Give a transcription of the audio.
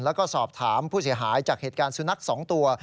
แล้วก็สอบถามผู้เสียหายจากเหตุการณ์สุนัข๒ตัว